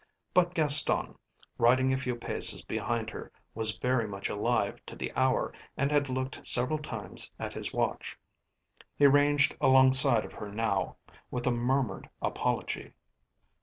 But Gaston, riding a few paces behind her, was very much alive to the hour and had looked several times at his watch. He ranged alongside of her now with a murmured apology.